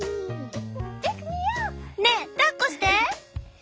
「ねえだっこして」。